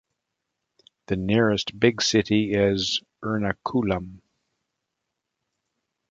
The nearest big city is Ernakulam.